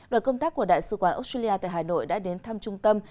đoàn công tác của đại sứ quán australia tại hà nội đã đến thăm trung tâm